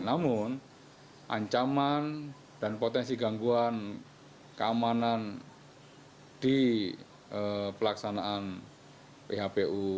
namun ancaman dan potensi gangguan keamanan di pelaksanaan phpu